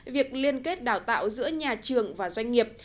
việc liên kết đào tạo giữa nhà trường và doanh nghiệp